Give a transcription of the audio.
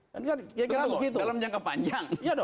dalam jangka panjang